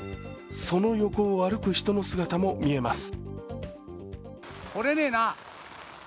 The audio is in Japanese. その横を歩く人の姿も見えます。